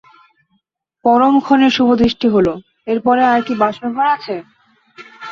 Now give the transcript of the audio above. পরম ক্ষণে শুভদৃষ্টি হল, এর পরে আর কি বাসরঘর আছে।